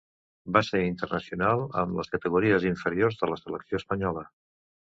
Va ser internacional amb les categories inferiors de la selecció espanyola.